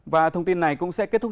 và thông tin này cũng sẽ kết thúc